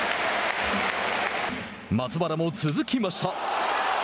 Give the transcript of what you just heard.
松原も続きました。